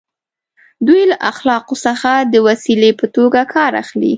دوی له اخلاقو څخه د وسیلې په توګه کار اخلي.